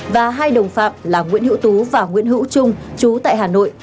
và hai đồng phạm là nguyễn hữu tú và nguyễn hữu trung chú tại hà nội